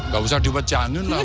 gak usah diwejangin lah